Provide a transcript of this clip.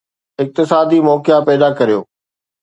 اقتصادي موقعا پيدا ڪريو.